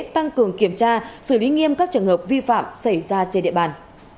tăng cường kiểm tra xử lý nghiêm các trường hợp vi phạm xảy ra trên địa bàn